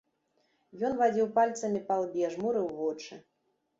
Ён вадзіў пальцамі па лбе, жмурыў вочы.